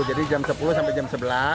jadi jam sepuluh sampai jam sebelas